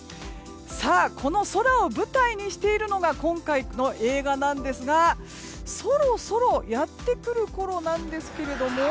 この空を舞台にしているのが今回の映画なんですがそろそろやってくるころなんですけれども。